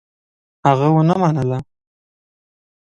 هغه ونه منله.